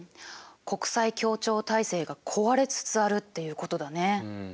国際協調体制が壊れつつあるっていうことだね。